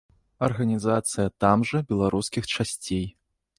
Арганізацыя там жа беларускіх часцей.